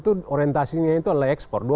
itu orientasinya itu adalah ekspor